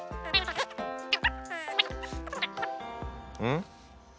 ん？